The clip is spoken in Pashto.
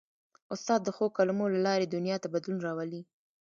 استاد د ښو کلمو له لارې دنیا ته بدلون راولي.